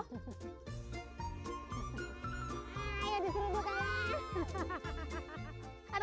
ayo disuruh buat kalian